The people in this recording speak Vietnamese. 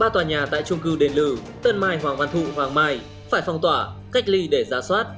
ba tòa nhà tại trung cư đền lừ tân mai hoàng văn thụ hoàng mai phải phong tỏa cách ly để giả soát